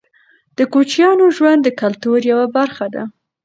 د کوچیانو ژوند د کلتور یوه برخه ده.